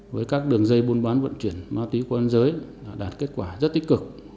với các đường dây buôn bán vận chuyển ma túy của an giới đã đạt kết quả rất tích cực